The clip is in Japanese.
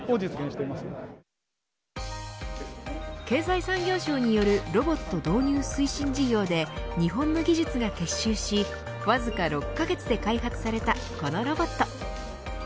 経済産業省によるロボット導入推進事業で日本の技術が結集しわずか６カ月で開発されたこのロボット。